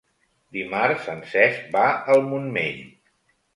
Dimarts en Cesc va al Montmell.